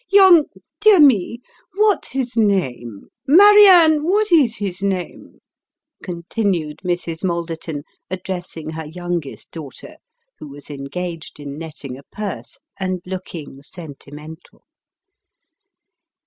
Young dear me ! what's his name ? Marianne, what is his name ?" continued Mrs. Malderton, addressing her youngest daughter, who was engaged in netting a purse, and looking sentimental.